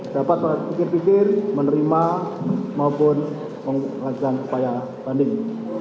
dapat berpikir pikir menerima maupun melakukan upaya banding